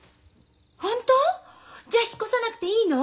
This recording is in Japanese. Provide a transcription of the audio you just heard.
ホント！？じゃ引っ越さなくていいの？